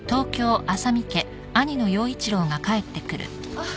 あっ。